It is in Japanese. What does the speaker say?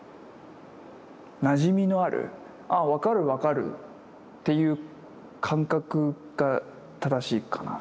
なじみのあるあ分かる分かるっていう感覚が正しいかな。